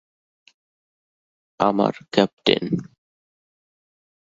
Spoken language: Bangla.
আমার ক্যাপ্টেন!